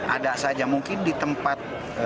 ada saja mungkin di tempat